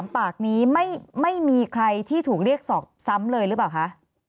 ปากนี้ไม่มีใครที่ถูกเรียกสอบซ้ำเลยหรือเปล่าคะ